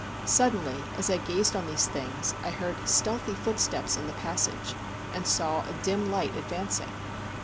Suddenly, as I gazed on these things, I heard stealthy footsteps in the passage, and saw a dim light advancing.